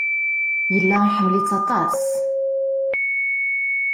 Yella iḥemmel-itt aṭas.